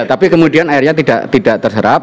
tapi kemudian airnya tidak terserap